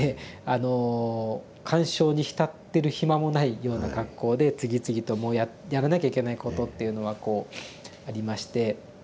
あの感傷に浸ってる暇もないような格好で次々とやらなきゃいけないことっていうのはありまして。